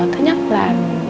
thứ nhất là